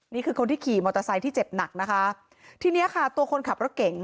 นี่คือคนที่ขี่มอเตอร์ไซค์ที่เจ็บหนักนะคะทีเนี้ยค่ะตัวคนขับรถเก่ง